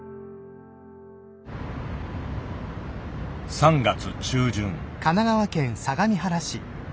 ３月中旬。